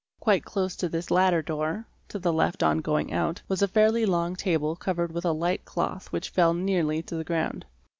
Quite close to this latter door (to the left on going out) was a fairly long table covered with a light cloth which . fell nearly to the ground.